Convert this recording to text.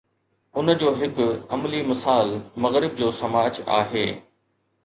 ان جو هڪ عملي مثال مغرب جو سماج آهي.